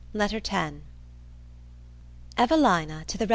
LETTER X EVELINA TO THE REV.